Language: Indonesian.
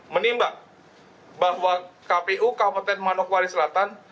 menimbang bahwa kpu kabupaten manokwari selatan